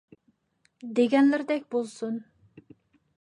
دېگەنلىرىدەك بولسۇن!